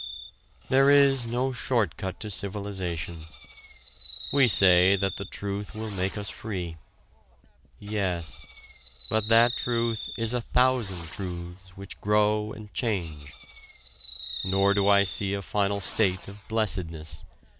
There is no short cut to civilization. We say that the truth will make us free. Yes, but that truth is a thousand truths which grow and change. Nor do I see a final state of blessedness.